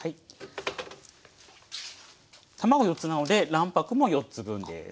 卵４つなので卵白も４つ分です。